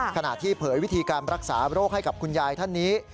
ขณะที่เผยวิธีการรักษาโรคให้กับคุณยายท่านนี้